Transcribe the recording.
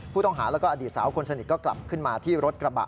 ผู้ต้องหาแล้วก็อดีตสาวคนสนิทก็กลับขึ้นมาที่รถกระบะ